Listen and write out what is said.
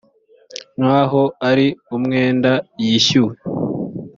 nk aho ari umwenda yishyuwe